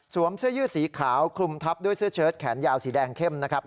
เสื้อยืดสีขาวคลุมทับด้วยเสื้อเชิดแขนยาวสีแดงเข้มนะครับ